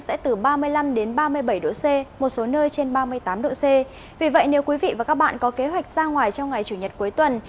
sẽ từ ba mươi năm ba mươi bảy độ c một số nơi trên ba mươi tám độ c vì vậy nếu quý vị và các bạn có kế hoạch ra ngoài trong ngày chủ nhật cuối tuần